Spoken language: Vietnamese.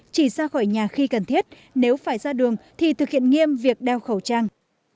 chỉ ra khỏi nhà khi cần thiết nếu phải ra đường thì thực hiện nghiêm việc đeo khẩu trang